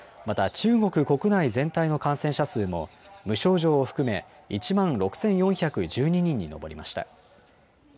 また中国国内全体の感染者数も無症状を含め１万６４１２人に上りました。